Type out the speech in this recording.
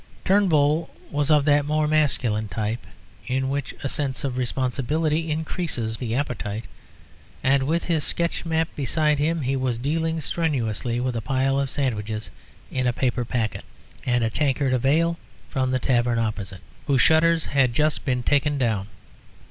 Turnbull was of that more masculine type in which a sense of responsibility increases the appetite, and with his sketch map beside him he was dealing strenuously with a pile of sandwiches in a paper packet, and a tankard of ale from the tavern opposite, whose shutters had just been taken down.